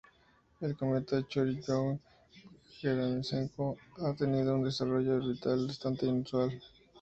El cometa Churyumov-Gerasimenko ha tenido un desarrollo orbital bastante inusual.